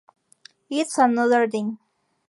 It's another thing.